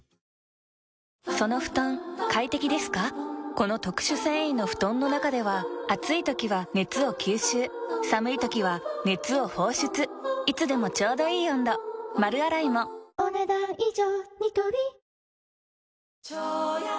この特殊繊維の布団の中では暑い時は熱を吸収寒い時は熱を放出いつでもちょうどいい温度丸洗いもお、ねだん以上。